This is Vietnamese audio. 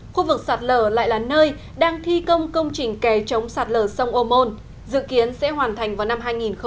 khu vực sạt lở lại là nơi đang thi công công trình kè chống sạt lở sông ô môn dự kiến sẽ hoàn thành vào năm hai nghìn hai mươi